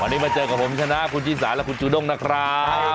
วันนี้มาเจอกับผมชนะคุณชิสาและคุณจูด้งนะครับ